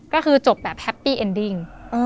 ก็คือจบแบบแฮปปี้เอ็นดิ้ง